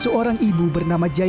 seorang ibu bernama jayanti